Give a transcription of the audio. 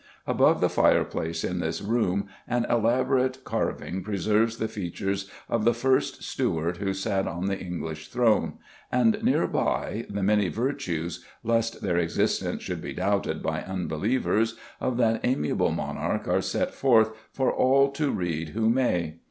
Above the fireplace in this room an elaborate carving preserves the features of the first Stuart who sat on the English throne, and, near by, the many virtues lest their existence should be doubted by unbelievers of that amiable monarch are set forth for all to read who may.